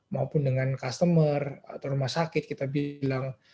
maupun dengan customer atau rumah sakit kita bilang